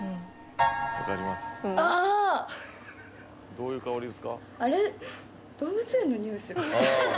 どういう香りですか？